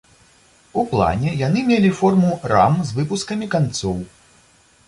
У плане яны мелі форму рам з выпускамі канцоў.